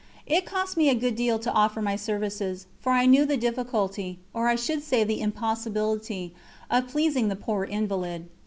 It cost me a good deal to offer my services, for I knew the difficulty, or I should say the impossibility, of pleasing the poor invalid.